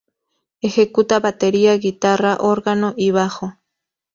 Ejecuta batería, guitarra, órgano y bajo.